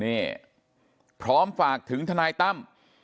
นี่พร้อมฝากถึงทนายตั้ม